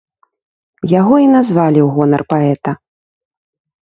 Яго і назвалі ў гонар паэта.